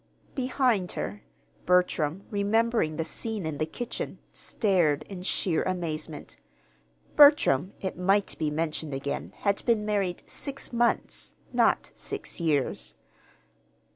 Behind her, Bertram, remembering the scene in the kitchen, stared in sheer amazement. Bertram, it might be mentioned again, had been married six months, not six years.